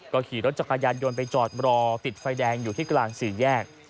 ขี่รถจักรยานยนต์ไปจอดรอติดไฟแดงอยู่ที่กลางสี่แยก